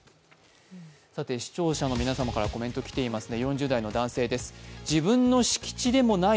視聴者の皆様からコメント来ていますね。